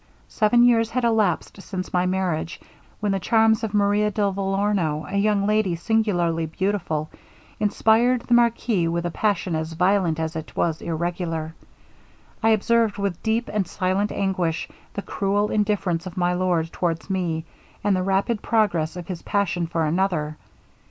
'Seven years had elapsed since my marriage, when the charms of Maria de Vellorno, a young lady singularly beautiful, inspired the marquis with a passion as violent as it was irregular. I observed, with deep and silent anguish, the cruel indifference of my lord towards me, and the rapid progress of his passion for another.